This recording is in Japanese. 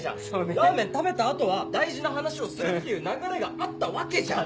ラーメン食べた後は大事な話をするっていう流れがあったわけじゃん。